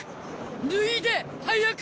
脱いで早く！